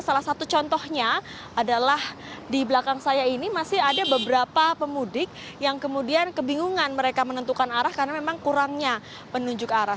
salah satu contohnya adalah di belakang saya ini masih ada beberapa pemudik yang kemudian kebingungan mereka menentukan arah karena memang kurangnya penunjuk arah